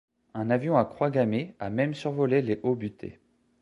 Un avion à croix gammée a même survolé les Hauts-Buttés.